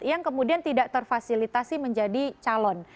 yang kemudian tidak terfasilitasi menjadi calon